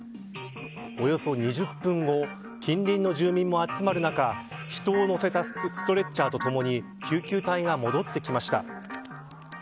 およそ２０分後近隣の住民も集まる中人を乗せたストレッチャーとともに救急隊が戻ってきました。